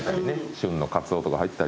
旬のカツオとか入ったり。